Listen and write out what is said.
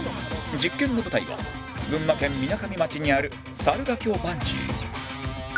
実験の舞台は群馬県みなかみ町にある猿ヶ京バンジー